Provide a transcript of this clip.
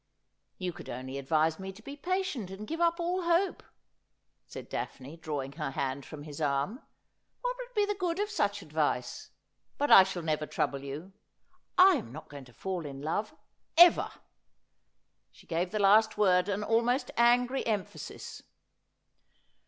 ' You could only advise me to be patient, and give up all hope,' said Daphne, drawing her hand from his arm. ' What would be the good of such advice ? But I shall never trouble you. I am not going to fall in love — ever.' She gave the last word an almost angry emphasis.